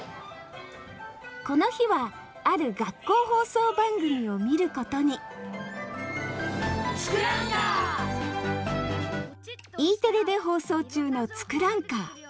この日はある学校放送番組を見ることにＥテレで放送中の「ツクランカー」。